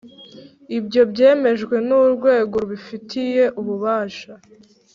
Iyo byemejwe n,urwego rubifitiye ububasha.